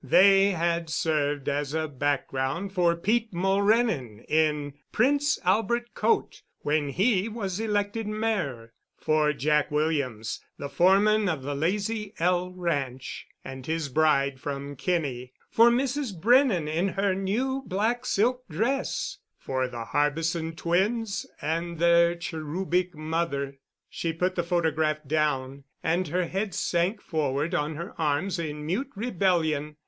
They had served as a background for Pete Mulrennan in a Prince Albert coat, when he was elected mayor; for Jack Williams, the foreman of the "Lazy L" ranch, and his bride from Kinney; for Mrs. Brennan in her new black silk dress; for the Harbison twins and their cherubic mother. She put the photograph down, and her head sank forward on her arms in mute rebellion.